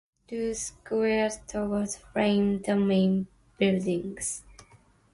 Two square towers frame the main building.